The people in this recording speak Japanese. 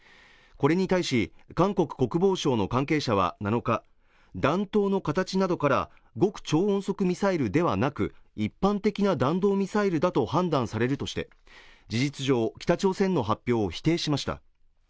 これに対し韓国国防省の関係者は７日弾頭の形などから極超音速ミサイルではなく一般的な弾道ミサイルだと判断されるとして事実上北朝鮮の発表を否定しました